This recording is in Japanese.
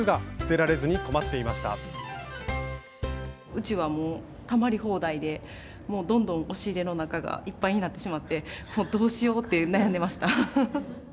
うちはもうたまり放題でもうどんどん押し入れの中がいっぱいになってしまってもうどうしようって悩んでました。